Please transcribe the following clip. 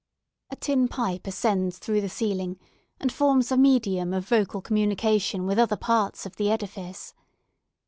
A tin pipe ascends through the ceiling, and forms a medium of vocal communication with other parts of the edifice.